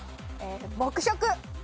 黙食！